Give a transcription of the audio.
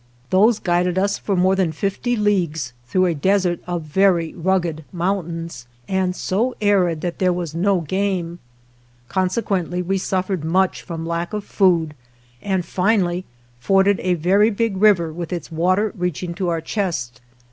Those guided us for more than fifty leagues through a desert of very rugged mountains, and so arid that there was no game. Consequently we suffered much from lack of food, and finally forded a very big river, with its water reaching to our chest.